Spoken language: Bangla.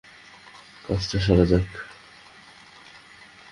কাজটা সারা যাক।